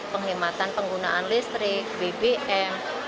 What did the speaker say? penghematan penggunaan listrik bbm